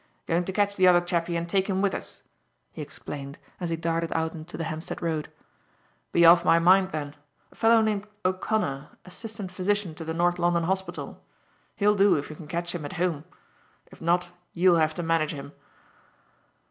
"Going to catch the other chappie and take him with us," he explained, as he darted out into the Hampstead Road. "Be off my mind then. A fellow named O'Connor, Assistant Physician to the North London Hospital. He'll do if we can catch him at home. If not, you'll have to manage him."